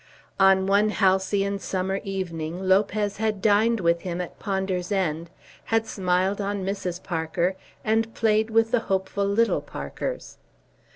On one halcyon summer evening Lopez had dined with him at Ponder's End, had smiled on Mrs. Parker, and played with the hopeful little Parkers.